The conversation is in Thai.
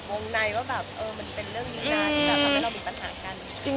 มันเป็นเรื่องยุณาที่จะทำให้เรามีปัญหากัน